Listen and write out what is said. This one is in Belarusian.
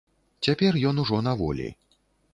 Цяпер ён ужо на волі.